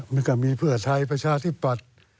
มันก็มีเพื่อไทยประชาธิปัตย์